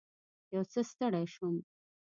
یو څه ستړې شوم.